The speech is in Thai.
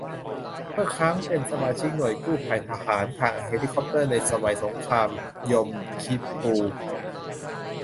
เมื่อครั้งเป็นสมาชิกหน่วยกู้ภัยทหารทางเฮลิคอปเตอร์ในสงครามยมคิปปูร์